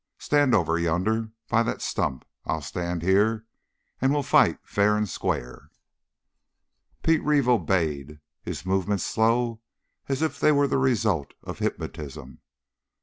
Stand over yonder by that stump. I'll stand here, and we'll fight fair and square." Pete Reeve obeyed, his movements slow, as if they were the result of hypnotism.